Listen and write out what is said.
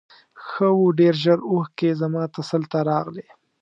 ښه و ډېر ژر اوښکې زما تسل ته راغلې.